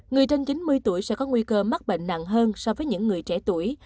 người trên chín mươi tuổi sẽ có nguy cơ mắc bệnh nặng hơn so với những người trẻ tuổi